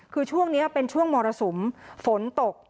คือช่วงนี้เป็นช่วงมรสุมฝนตก